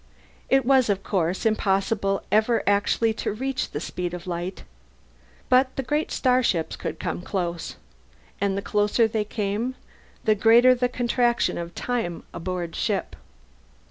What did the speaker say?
It was, of course, impossible ever actually to reach the speed of light. But the great starships could come close. And the closer they came, the greater the contraction of time aboard ship.